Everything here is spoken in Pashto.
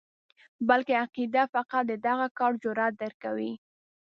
بلکې عقیده فقط د دغه کار جرأت درکوي.